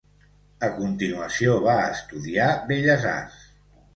A continuació va estudiar Belles Arts.